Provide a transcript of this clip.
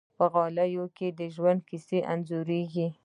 په غالۍ کې د ژوند کیسې انځورېږي.